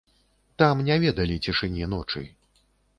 Там не ведалі цішыні ночы.